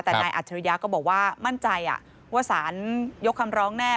แต่ในอัธิรยาก็บอกว่ามั่นใจว่าศาลยกคำร้องแน่